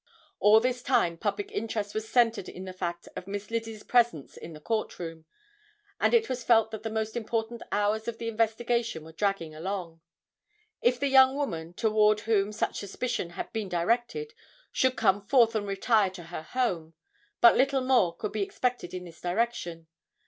All this time public interest was centred in the fact of Miss Lizzie's presence in the court room, and it was felt that the most important hours of the investigation were dragging along. If the young woman, toward whom such suspicion had been directed, should come forth and retire to her home, but little more could be expected in this direction.